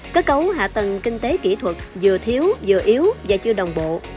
cơ cấu hạ tầng kinh tế kỹ thuật vừa thiếu vừa yếu và chưa đồng bộ